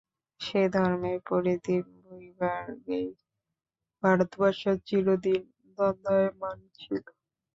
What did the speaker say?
সে ধর্মের পরিধির বহির্ভাগেই ভারতবর্ষ চিরদিন দণ্ডায়মান ছিল।